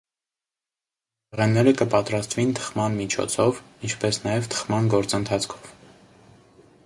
Խմորեղէնները կը պատրաստուին թխման միջոցով, ինչպէս նաեւ թխման գործընթացքով։